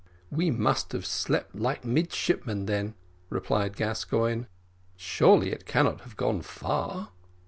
"We must have slept like midshipmen, then," replied Gascoigne: "surely it cannot have gone far."